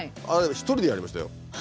あれ一人でやりましたよ。